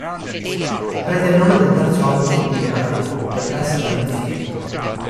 Prende il nome dal terzo album di Avril, "The Best Damn Thing".